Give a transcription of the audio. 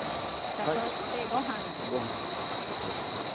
さあそしてご飯です。